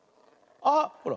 あっほら。